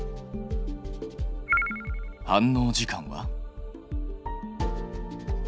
反応時間は？